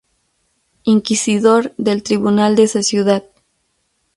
Inquisidor del tribunal de esa ciudad.